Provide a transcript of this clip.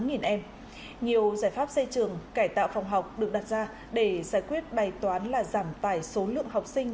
nhiều giải pháp xây trường cải tạo phòng học được đặt ra để giải quyết bài toán là giảm tải số lượng học sinh